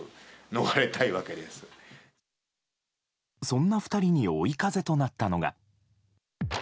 そんな２人に追い風となったのが。